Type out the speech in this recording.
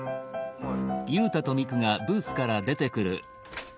はい。